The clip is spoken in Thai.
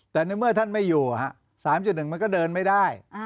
แต่ในเมื่อท่านไม่อยู่๓๑มันก็เดินไม่ได้